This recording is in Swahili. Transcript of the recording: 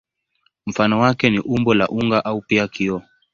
Mfano wake ni umbo la unga au pia kioo.